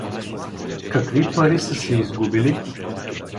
Какви пари са се изгубили?